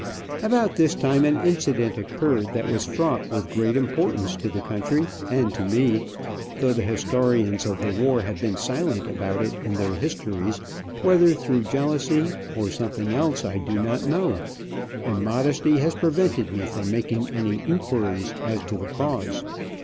About this time an incident occurred that was fraught with great importance to the country and to me, though the historians of the war have been silent about it in their histories, whether through jealousy or something else I do not know, and modesty has prevented me from making any inquiries as to the cause.